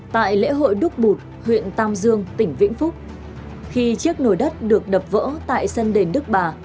tại lễ hội đúc bụt huyện tam dương tỉnh vĩnh phúc khi chiếc nồi đất được đập vỡ tại sân đền đức bà